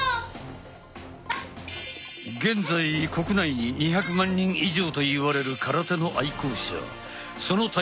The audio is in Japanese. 現在国内に２００万人以上といわれる空手の愛好者。